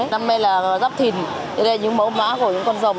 năm nay là giáp thìn đây là những mẫu mã của những con rồng